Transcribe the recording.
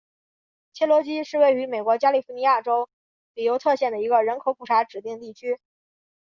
切罗基是位于美国加利福尼亚州比尤特县的一个人口普查指定地区。